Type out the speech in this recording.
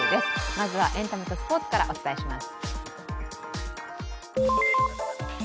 まずはエンタメとスポーツからお伝えします。